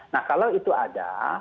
nah kalau itu ada